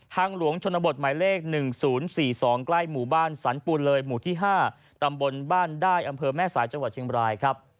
หลวงชนบทหมายเลข๑๐๔๒ใกล้หมู่บ้านสรรปูนเลยหมู่ที่๕ตำบลบ้านได้อำเภอแม่สายจังหวัดเชียงบรายครับ